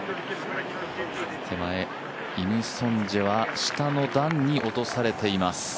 手前、イム・ソンジェは下の段に落とされています。